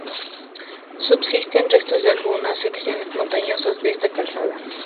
Subsisten restos de algunas secciones montañosas de esta calzada.